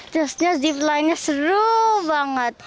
terusnya zip line nya seru banget